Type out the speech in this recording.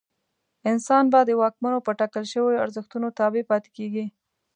انسان به د واکمنو په ټاکل شویو ارزښتونو تابع پاتې کېږي.